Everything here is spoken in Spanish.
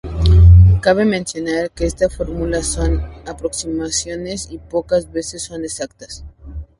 Cabe mencionar que estas fórmulas son aproximaciones y pocas veces son exactas.